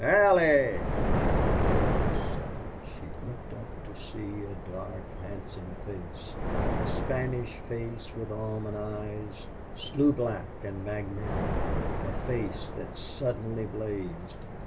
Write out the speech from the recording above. "ALLIE!" rang the voice. She looked up to see a dark, handsome face a Spanish face with almond eyes, sloe black and magnetic a face that suddenly blazed.